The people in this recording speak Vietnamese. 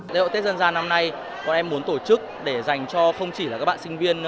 lễ hội tết dân gian năm nay bọn em muốn tổ chức để dành cho không chỉ là các bạn sinh viên